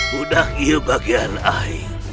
sudah ia bagian akhir